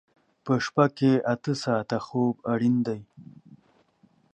په شپه کې اته ساعته خوب اړین دی.